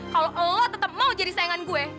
kalau allah tetap mau jadi sayangan gue